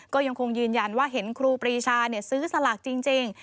ก็ยังคงยืนยันว่าเห็นครูปรีชาซื้อสลากจริง